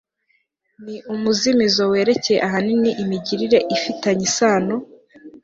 ni umuzimizo werekeye ahanini imigirire ifitanye isano